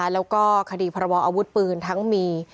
แล้วก็คดีพรบออาวุธปืนทั้งมี